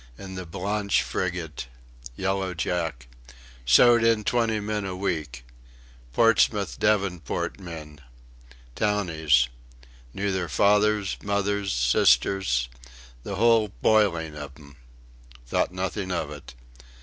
In the Blanche frigate... Yellow Jack... sewed in twenty men a week... Portsmouth Devonport men townies knew their fathers, mothers, sisters the whole boiling of 'em. Thought nothing of it.